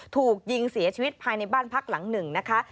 ถูกยิงเสียชีวิตภายในบ้านพักหลังหนึ่งนะคะ